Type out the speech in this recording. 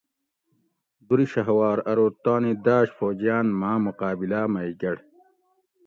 دُرشھوار ارو تانی داۤش فوجیان ماۤں مقابلہ مئ گۤڑ